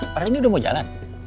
pak rendy udah mau jalan